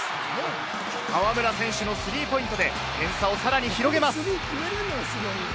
河村選手のスリーポイントで点差をさらに広げます。